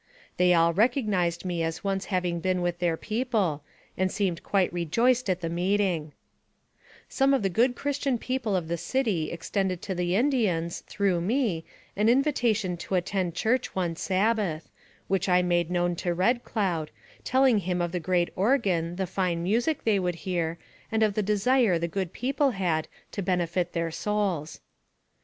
They all recognized me as once having been with their people, and seemed quite rejoiced at the meet ing Some of the good Christian people of the city ex tended to the Indians, through me, an invitation to attend church one Sabbath, which I made known to Red Cloud, telling him of the great organ, the fine music they would hear, and of the desire the good people had to benefit their souls.